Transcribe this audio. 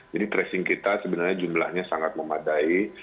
jadi tracing kita sebenarnya jumlahnya sangat banyak